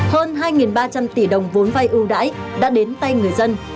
hơn hai ba trăm linh tỷ đồng vốn vay ưu đãi đã đến tay người dân